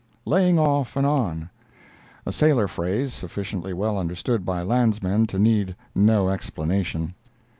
"Laying off and on"—A sailor phrase, sufficiently well understood by landsmen to need no explanation.